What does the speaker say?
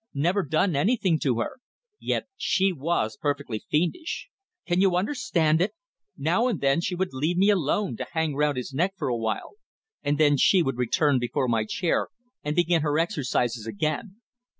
Never done anything to her. Yet she was perfectly fiendish. Can you understand it? Now and then she would leave me alone to hang round his neck for awhile, and then she would return before my chair and begin her exercises again.